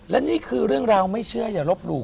และนี่คือเรื่องราวไม่เชื่ออย่าลบหลู่